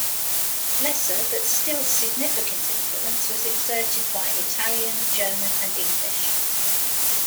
Lesser but still significant influence was exerted by Italian, German and English.